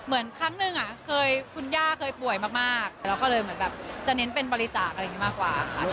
เหมือนครั้งนึงคุณย่าเคยป่วยมากเราก็เลยจะเน้นเป็นบริจาคอะไรอย่างนี้มากกว่า